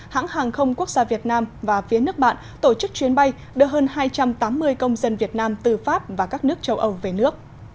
hãng hàng không quốc gia việt nam và phía nước bạn tổ chức chuyến bay đưa hơn hai trăm tám mươi công dân việt nam từ pháp và các nước châu âu về nước